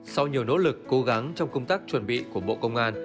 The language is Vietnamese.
sau nhiều nỗ lực cố gắng trong công tác chuẩn bị của bộ công an